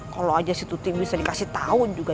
kalau aja si tuti bisa dikasih tau juga